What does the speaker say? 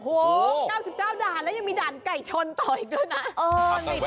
โอ้โห๙๙ด่านแล้วยังมีด่านไก่ชนต่ออีกด้วยนะ